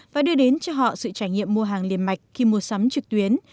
và đưa đến cho họ sự trải nghiệm mua hàng liền mạch khi mua sắm trực tuyến